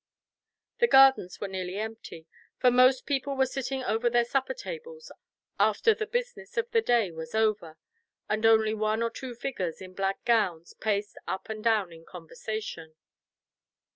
The gardens were nearly empty, for most people were sitting over their supper tables after the business of the day was over, and only one or two figures in black gowns paced up and down in conversation.